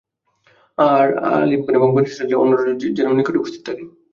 আর আলিমগণ এবং বনী ইসরাঈলের অন্যরা যেন নিকটে উপস্থিত থাকে।